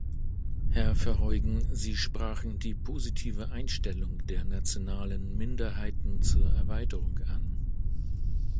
Herr Verheugen, Sie sprachen die positive Einstellung der nationalen Minderheiten zur Erweiterung an.